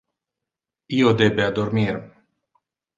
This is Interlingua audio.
Io debe addormir.